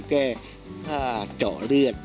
แก้ผ้าเจาะเลือด